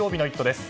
です。